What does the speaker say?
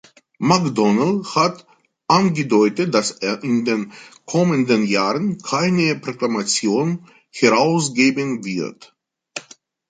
McDonnell hat angedeutet, dass er in den kommenden Jahren keine Proklamation herausgeben wird.